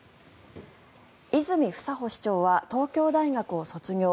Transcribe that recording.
泉房穂市長は東京大学を卒業。